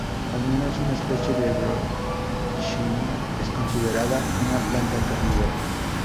Al menos una especie de "Brocchinia" es considerada una planta carnívora.